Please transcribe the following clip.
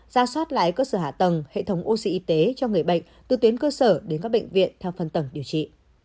ra soát lại cơ sở hạ tầng hệ thống oxy y tế cho người bệnh từ tuyến cơ sở đến các bệnh viện theo phân tầng điều trị